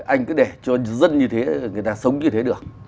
anh cứ để cho dân như thế người ta sống như thế được